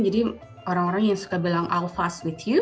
jadi orang orang yang suka bilang i'll fast with you